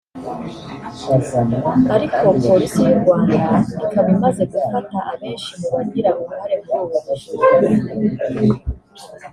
ariko Polisi y’u Rwanda ikaba imaze gufata abenshi mu bagira uruhare muri ubu bujura